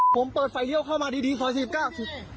ผมเปิดไฟเลี่ยวเข้ามาดีขวาน๔๙